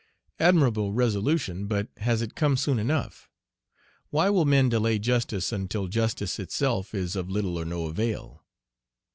Admirable resolution! But has it come soon enough? Why will men delay justice until justice itself is of little or no avail?